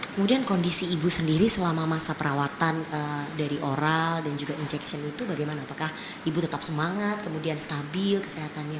kemudian kondisi ibu sendiri selama masa perawatan dari oral dan juga injection itu bagaimana apakah ibu tetap semangat kemudian stabil kesehatannya